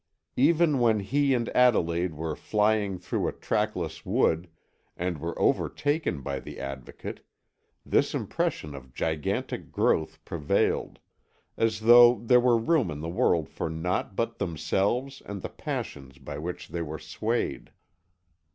Even when he and Adelaide were flying through a trackless wood, and were overtaken by the Advocate, this impression of gigantic growth prevailed, as though there were room in the world for naught but themselves and the passions by which they were swayed.